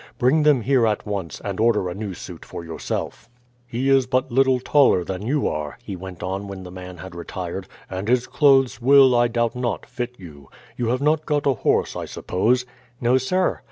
Bring them here at once, and order a new suit for yourself. "He is but little taller than you are," he went on when the man had retired, "and his clothes will, I doubt not, fit you. You have not got a horse, I suppose?" "No, sir."